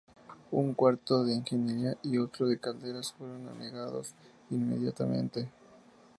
Un cuarto de ingeniería y otro de calderas fueron anegados inmediatamente.